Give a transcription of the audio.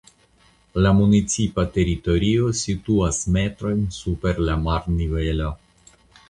La municipa teritorio situas metrojn super la marnivelo.